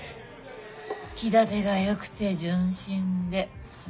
気立てがよくて純真で。